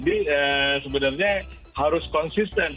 jadi sebenarnya harus konsisten